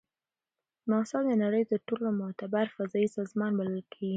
ناسا د نړۍ تر ټولو معتبر فضایي سازمان بلل کیږي.